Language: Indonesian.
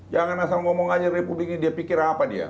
jangan asal ngomong aja republik ini dia pikir apa dia